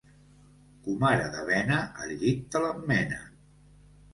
Comare de bena al llit te l'emmena.